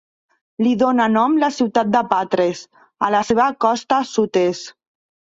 Li dóna nom la ciutat de Patres, a la seva costa sud-est.